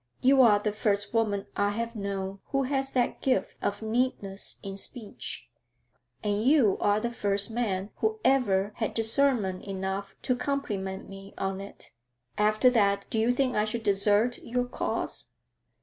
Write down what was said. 'You are the first woman I have known who has that gift of neatness in speech.' 'And you are the first man who ever had discernment enough to compliment me on it. After that, do you think I shall desert your cause?'